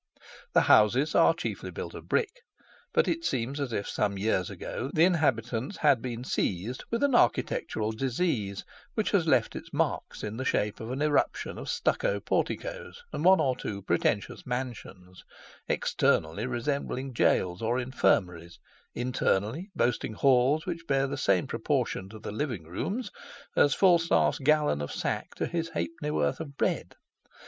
The houses are chiefly built of brick, but it seems as if some years ago the inhabitants had been seized with an architectural disease, which has left its marks in the shape of an eruption of stucco porticoes, and one or two pretensious mansions, externally resembling jails or infirmaries, internally boasting halls which bear the same proportion to the living rooms as Falstaff's gallon of sack to his halfpennyworth of bread.